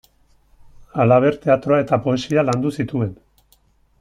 Halaber, teatroa eta poesia landu zituen.